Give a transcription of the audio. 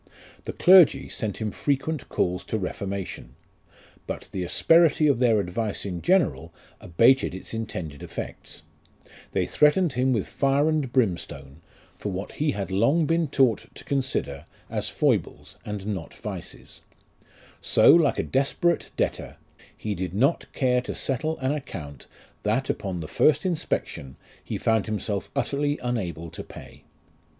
The clergy sent him frequent calls to reformation ; but the asperity of their advice in general abated its intended effects ; they threatened him with fire and brimstone, for what he had long been taught to consider as foibles, and not vices ; so, like a desperate debtor, he did not care to settle an account, that, upon the first inspection, he found himself utterly unable to pay.